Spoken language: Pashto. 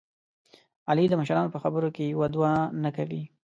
علي د مشرانو په خبره کې یوه دوه نه کوي.